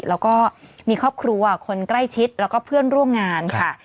แล้วก็มีครอบครัวคนใกล้ชิดแล้วก็เพื่อนร่วมงานค่ะ